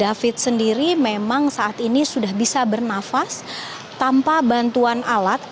david sendiri memang saat ini sudah bisa bernafas tanpa bantuan alat